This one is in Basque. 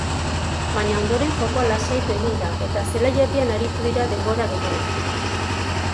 Baina ondoren jokoa lasaitu egin da eta zelai erdian aritu dira denbora gehiena.